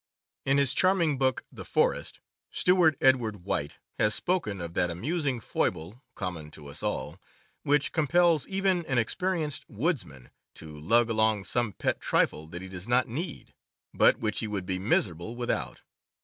In his charming book The Forest, Stewart Edward White has spoken of that amusing foible, common to us all, which compels even an experienced woodsman to lug along some pet trifle that he does not need, but which he would be miserable without.